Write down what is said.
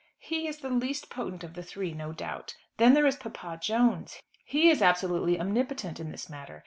"He is the least potent of the three, no doubt. Then there is papa Jones. He is absolutely omnipotent in this matter.